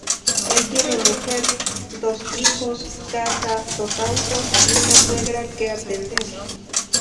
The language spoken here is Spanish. Él tiene mujer, dos hijos, casa, dos autos y una suegra que atender.